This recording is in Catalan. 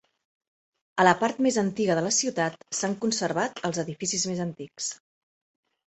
A la part més antiga de la ciutat s'han conservat els edificis més antics.